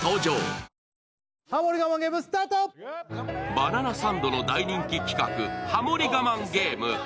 「バナナサンド」の大人気企画「ハモリ我慢ゲーム」。